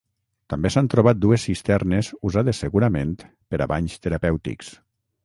També s'han trobat dues cisternes usades segurament per a banys terapèutics.